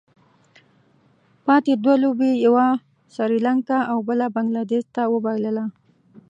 پاتې دوه لوبې یې یوه سري لانکا او بله بنګله دېش ته وبايلله.